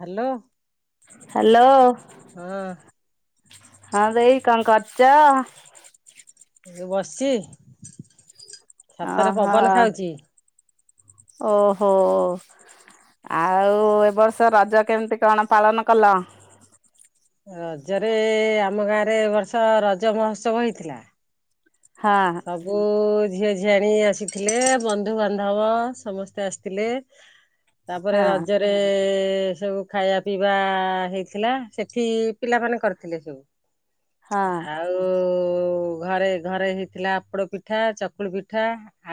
Hello. Hello. ହଁ। ହଁ ଦେଇ କଣ କରୁଛ? ଏ ବସିଛି ଛାତରେ ଓହୋ ପବନ ଖାଉଛି। ଓହୋ। ଆଉ ଏ ବର୍ଷ ରଜ କେମିତି କଣ ପାଳନ କଲ? ରଜରେ- ଆମ ଗାଁରେ ଏ ବର୍ଷ ରଜ ମହୋତ୍ସବ ହେଇଥିଲା। ହଁ। ସବୁ ଝିଅଝିଆଣି ଆସିଥିଲେ, ବନ୍ଧୁବାନ୍ଧବ ସମସ୍ତେ ଆସିଥିଲେ। ତାପରେ ହଁ ରଜର ଗୋଟେ- ସବୁ ଖାଇବା ପିଇବା- ହେଇଥିଲା, ସେଠି ପିଲାମାନେ କରିଥିଲେ। ହଁ ଆଉ- ଘରେ ଘରେ ହେଇ ଥିଲା ଆପଡ଼ ପିଠା, ଚକୁଳି ପିଠା,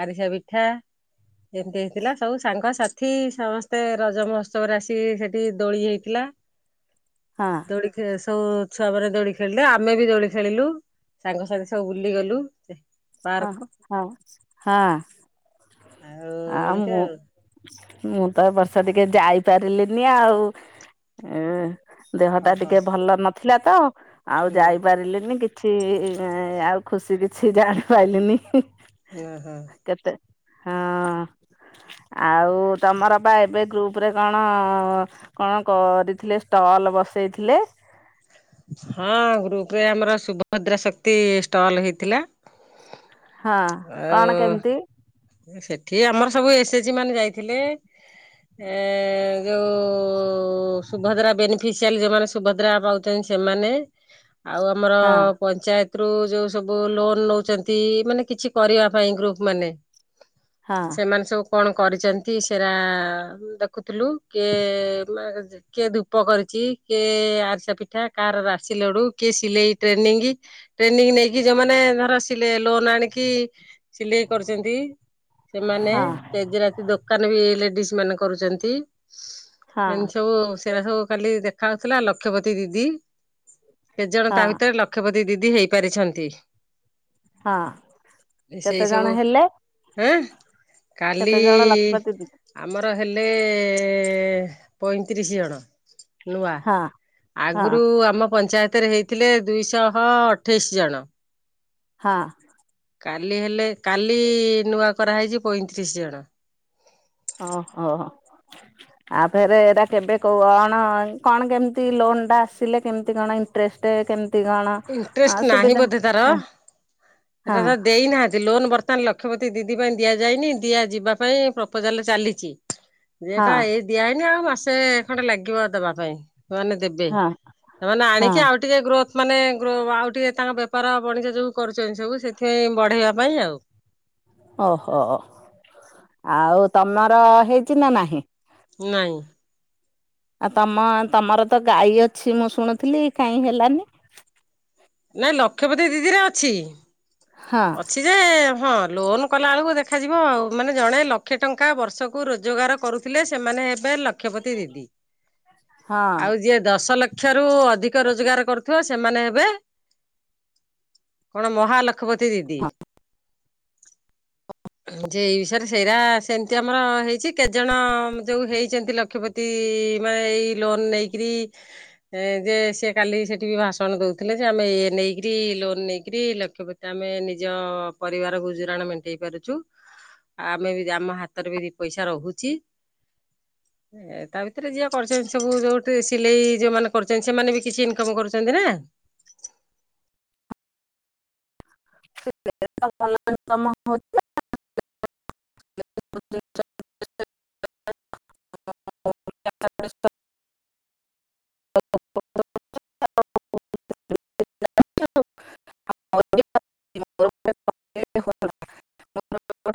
ଆରିସା ପିଠା ଏମିତି ହେଇଥିଲା, ସବୁ ସାଙ୍ଗସାଥି ସମସ୍ତେ ରଜ ମହୋତ୍ସବରେ ଆସିିକି, ସେଠି ଦୋଳି ହେଇଥିଲା। ହଁ। ଦୋଳି ଖେ-ସବୁ ଛୁଆ ମାନେ ଦୋଳି ଖେଳିଲେ ଆମେ ବି ଦୋଳି ଖେଳିଲୁ ସାଙ୍ଗସାଥି ସବୁ ବୁଲିଗଲୁ। [inaudible] ହଁ ହଁ ହଁ ଆଉ ଏମିତି ଆମ ଆଉ ମୁଁ ତ ଏ ବର୍ଷ ଟିକେ ଯାଇପାରିଲିନି ଆଉ ଉଁ। ଦେହଟା ଓହୋ। ଟିକେ ଭଲ ନଥିଲା ତ ଆଉ ହୁଁ ଯାଇପାରିଲିନି କିଛି କିଛି ଆଉ ଖୁସି କିଛି ଜାଣିପାଇଲିନି। ଓ ହୋ। କେତେ ହଁ। ଆଉ ତମର ବା ଏବେ ଗ୍ରୁପ ରେ କଣ? କଣ କ- କରିଥିଲେ ଷ୍ଟଲ ବସେଇଥିଲେ? ହଁ ଗ୍ରୁପ ରେ ଆମର ସୁଭଦ୍ରା ଶକ୍ତି ଷ୍ଟଲ ହେଇଥିଲା। ହଁ କଣ ଆଉ କେମିତି? ସେଠି ଆମର ସବୁ ଏସ ଏଚଜି ମାନେ ଯାଇଥିଲେ ଏ ଯୋଉ ସୁଭଦ୍ରା ବେନିଫିସିଆଲି ଯଉମାନେ ସୁଭଦ୍ରା ପାଉଛନ୍ତି ସେମାନେ ଆଉ ଆମର ହଁ ପଞ୍ଚାୟତ ରୁ ଯୋଉ ସବୁ ଲୋନ ନଉଛନ୍ତି ମାନେ କିଛି କରିବା ପାଇଁ ଗ୍ରୁପ ମାନେ ହଁ ସେମାନେ ସବୁ କଣ କରିଛନ୍ତି ସେରା ଦେଖୁଥିଲୁ କିଏ କିଏ ଧୂପ କରିଛି କିଏ ଆରିସା ପିଠା କାହାର ରାଶି ଲଡୁ କିଏ ସିଲେଇ ଟ୍ରେନିଂ ଟ୍ରେନିଂ ନେଇକି ଯୋଉମାନେ ଧର ସିଲେ ଲୋନ ଆଣିକି ଲି କରିଛନ୍ତି। ସେମାନେ ହଁ ତେଜରାତି ଦୋକାନ ବି ଲେଡିସ୍ ମାନେ କରୁଛନ୍ତି। ହଁ ଏମିତି ସବୁ ସେଟା ସବୁ କାଲି ଦେଖା ହଉଥିଲା ଲକ୍ଷପତି ଦିଦି। କେତ ଜଣ ହଁ ତା ଭିତରେ ଲକ୍ଷପଦୀ ଦିଦି ହେଇପାରିଛନ୍ତି। ହଁ କେତେ ଜଣ ହେଲେ? ହଁ କାଲି କେତେ ଜଣ ଲକ୍ଷପତି ଆମର ହେଲେ-ପଇଁତିରିଶ ଜଣ। ନୂଆ ହଁ ହଁ ଆଗରୁ ଆମ ପଞ୍ଚାୟତରେ ହେଇଥିଲେ ଦୁଇଶହ ଅଠେଇଶ୍ ଜଣ। ହଁ। କାଲି ହେଲେ କାଲି ନୂଆ କରାହେଇଛି ପଇଁତିରିଶ ଜଣ। ଓ ହୋ। ଆଉ ଫେରେ ଏଗୁରା କେବେ କଉ ଅଣ କଣ କେମନ୍ତି ଲୋନ୍ ଟା ଆସିଲେ କେମନ୍ତି କଣ ଟ୍ରେଷ୍ଟେ କେମତି କଣ? ଇଣ୍ଟରେଷ୍ଟ ନାହିଁ ସୁବିଧା ବୋଧେ ତାର ହଁ ହଁ ଏଟା ତ ଦେଇନାହାନ୍ତି। ଲୋନ ବର୍ତ୍ତମାନ ଲକ୍ଷପତି ଦିଦି ପାଇଁ ଦିଆଯାଇନି ଦିଆ ଯିବା ପାଇଁ ପ୍ରପୋଜାଲ ଚାଲିଛି। ହଁ ଏଟା ଏଇ ଦିଆହଇନି ଆଉ ମାସେ ଖଣ୍ଡେ ଲାଗିବ ଦବା ପାଇଁ। ମାନେ ଦେବେ ହଁ ସେମାନେ ହଁ ଆଣିକି ଆଉ ଟିକେ ଗ୍ରୋଥ ମାନେ ଗ୍ରୋ ଆଉ ଟିକେ ତାଙ୍କ ବେପାର ବଣିଜ ଯେଉଁ କରୁଛନ୍ତି ସବୁ ସେଥିପାଇଁ ବଢ଼େଇବା ପାଇଁ ଆଉ। ଓ ହୋ ଆଉ ତମର ହେଇଚି ନା ନାହିଁ? ନଇଁ ଆଉ ତମ ତମର ତ ଗାଈ ଅଛି ମୁଁ ଶୁଣୁଥିଲି କାହିଁ ହେଲାନି? ନାଇଁ ଲକ୍ଷପତି ଦିଦିରେ ଅଛି। ହଁ ଅଛି ଯେ ହଁ ଲୋନ୍ କଲାବେଳକୁ ଦେଖାଯିବ ଆଉ। ମାନେ ଜଣେ ଲକ୍ଷେ ଟଙ୍କା ବର୍ଷକୁ ରୋଜଗାର କରୁ ଥିଲେ ସେମାନେ ହେବେ ଲକ୍ଷପତି ଦିଦି ଆଉ ଯିଏ ଦଶ ଲକ୍ଷ କ୍ଷ ଠାରୁ ଅଧିକ ରୋଜଗାର କରୁଥିବ ସେମାନେ ହେବେ କଣ ମହାଲକ୍ଷପତି ଦିଦି? ଯେ ଏଇ ସାରେ ସେଇଟା ସେମିତି ଆମର ହେଇଛି କେତଜଣ ଯୋଉ ହେଇଛନ୍ତି। ଲକ୍ଷପତି ତି ମାନ ଏଇ ଲୋନ ନେଇକିରି ଏ ଯେ ସେ କାଲି ସେଠି ଭାଷଣ ଦୋଉଥିଲେ ଯେ ଆମେ ଇଏ ନେଇକିରି ଲୋନ ନେଇକିରି ଲକ୍ଷପ ଆମେ ନିଜ ପରିବାର ଗୁଜୁରାଣ ମେଣ୍ଟେଇପାରୁଚୁ। ଆ ଆମେ ବି ଆମ ହାତରେ ବିି ଦିପଇସା ରହୁଚି ଏ ତା ଭିତରେ ଯିଏ କରୁଛନ୍ତି ସବୁ ଯୋଉଠି ସିଲେଇ ଯୋଉମାନେ କରୁଛନ୍ତି ସେମାନେ ବି କିଛି ଇନକମ୍ କରୁଚନ୍ତି ନା। [inaudible] [unintelligible] [unintelligible] [unintelligible] [unintelligible]